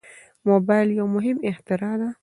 موبایل یو مهم اختراع ده.